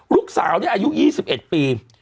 ลูกสาวนี่อายุ๒๑ปี